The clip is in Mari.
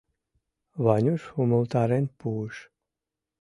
— Ванюш умылтарен пуыш.